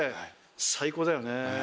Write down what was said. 最高だよね。